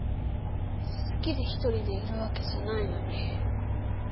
好きで一人でいるわけじゃないのに。